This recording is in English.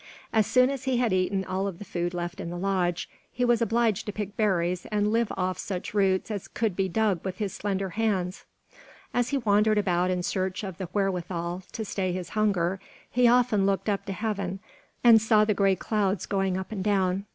As soon as he had eaten all of the food left in the lodge, he was obliged to pick berries and live off such roots as could be dug with his slender hands. As he wandered about in search of the wherewithal to stay his hunger, he often looked up to heaven and saw the gray clouds going up and down.